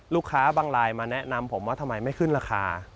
บางรายมาแนะนำผมว่าทำไมไม่ขึ้นราคา